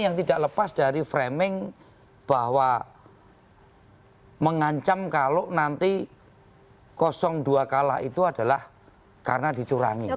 yang tidak lepas dari framing bahwa mengancam kalau nanti dua kalah itu adalah karena dicurangi